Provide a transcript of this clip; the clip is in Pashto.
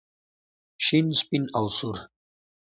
شین سپین او سور.